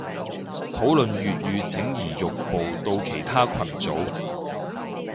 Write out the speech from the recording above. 討論粵語請移玉步到其他群組